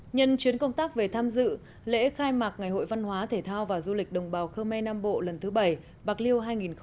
nhân chuyến công tác về tham dự lễ khai mạc ngày hội văn hóa thể thao và du lịch đồng bào khơ me nam bộ lần thứ bảy bạc liêu hai nghìn hai mươi